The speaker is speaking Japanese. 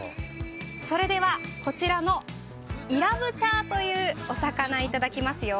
それでは、こちらのイラブチャーというお魚、頂きますよ。